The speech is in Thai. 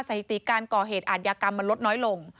สถิติการก่อเหตุอาทยากรรมมันลดน้อยลง